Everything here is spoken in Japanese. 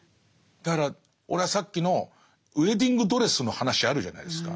だから俺はさっきのウエディングドレスの話あるじゃないですか。